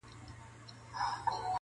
خپل پر ټولو فیصلو دستي پښېمان سو,